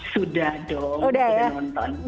sudah dong sudah nonton